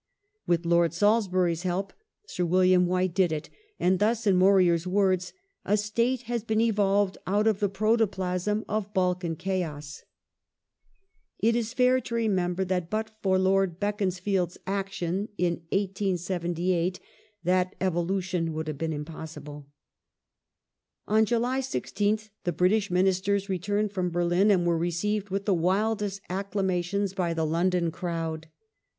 With Lord Salisbury's help Sir William White did it, and thus in Morier's words :" A state has been evolved out of the protoplasm of Balkan chaos ".^ It is fair to remember that but for Lord Beaconsfield's action in 1878 that evolution would have been impossible. "Peace On July 16th the British Ministei s returned from Berlin and Honour" ^^^^ received with the wildest acclamations by the London crowd.